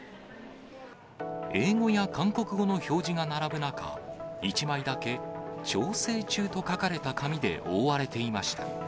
英語や韓国語の表示が並ぶ中、１枚だけ調整中と書かれた紙で覆われていました。